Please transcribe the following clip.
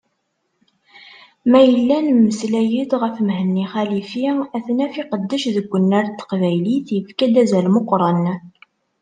Ma yella nemmeslay-d ɣef Mhenni Xalifi, ad t-naf iqeddec deg unnar n teqbaylit, yefka-as azal meqqṛen.